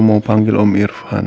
mau panggil om irfan